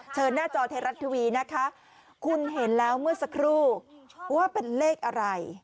หน้าจอไทยรัฐทีวีนะคะคุณเห็นแล้วเมื่อสักครู่ว่าเป็นเลขอะไร